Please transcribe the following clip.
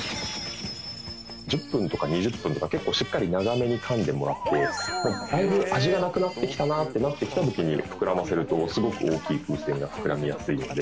１０分とか２０分とか結構しっかり長めに噛んでもらってだいぶ味がなくなってきたなってなってきた時に膨らませるとすごく大きい風船が膨らみやすいので。